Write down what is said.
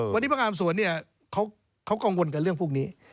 วันนี้พนักงานสวนเนี่ยเขากังวลกับเรื่องพวกนี้